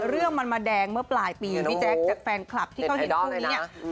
เรื่องมันมาแดงเมื่อปลายปีพี่แจ๊คจากแฟนคลับที่เขาเห็นคู่นี้เนี่ย